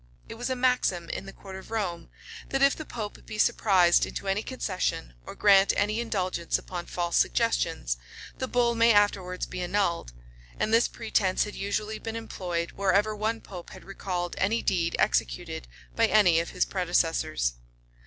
It was a maxim in the court of Rome, that if the pope be surprised into any concession, or grant any indulgence upon false suggestions, the bull may afterwards be annulled; and this pretence had usually been employed wherever one pope had recalled any deed executed by any of his predecessors.